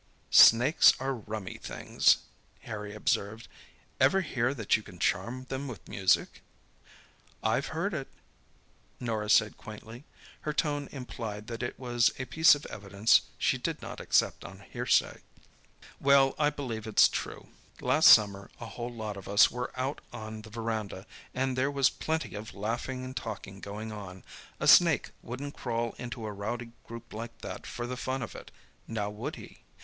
"Snakes are rummy things," Harry observed. "Ever hear that you can charm them with music?" "I've heard it," Norah said quaintly. Her tone implied that it was a piece of evidence she did not accept on hearsay. "Well, I believe it's true. Last summer a whole lot of us were out on the verandah, and there was plenty of laughing and talking going on—a snake wouldn't crawl into a rowdy group like that for the fun of it, now, would he?